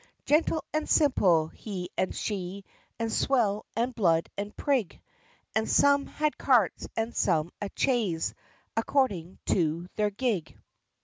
Gentle and simple, he and she, And swell, and blood, and prig; And some had carts, and some a chaise, According to their gig.